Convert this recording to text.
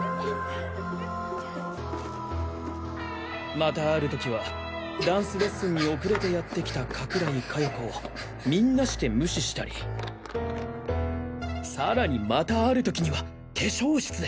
またある時はダンスレッスンに遅れてやって来た加倉井加代子をみんなして無視したりさらにまたある時には化粧室で。